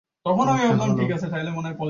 তোমার কী হল!